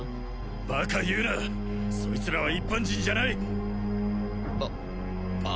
バカ言うなそいつらは一般人じゃないあ